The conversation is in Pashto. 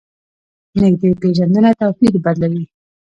نږدې پېژندنه توپیر بدلوي.